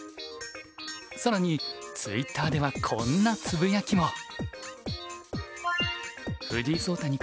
更にツイッターではこんなつぶやきも。